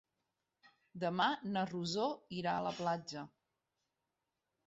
Demà na Rosó irà a la platja.